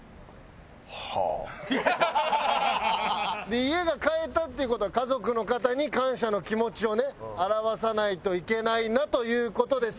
で家が買えたっていう事は家族の方に感謝の気持ちをね表さないといけないなという事ですよね？